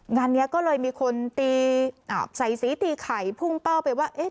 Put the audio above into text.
งานนี้ก็เลยมีคนตีใส่สีตีไข่พุ่งเป้าไปว่า